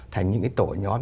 thành những cái tổ nhóm